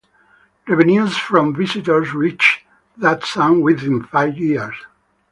Revenues from visitors reached that sum within five years.